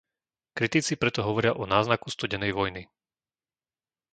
Kritici preto hovoria o náznaku studenej vojny.